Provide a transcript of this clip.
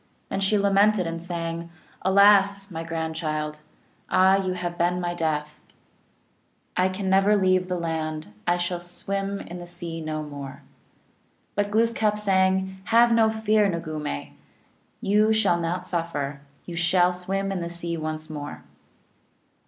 Then she lamented and sang " Alas, my grandchild (noojeech), Ah, you have been my death; I can never leave the land, I shall swim in the sea no more." But Glooskap sang : "Have no fear, noogumee, You shall not suffer, You shall swim in the sea once more."